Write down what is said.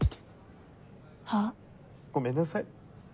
は？ごめんなさい。